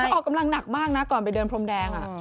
ออกกำลังหนักมากนะก่อนไปเดินพรมแดง